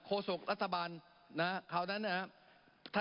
โคโศกรัฐบาลนะครับข่าวนั้นนะครับ